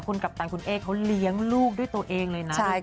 คุณกัปตัญคุณเอกเรียงลูกด้วยตัวเองเลยวันนี้